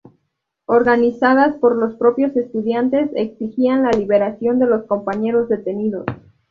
Organizadas por los propios estudiantes, exigían la liberación de los compañeros detenidos.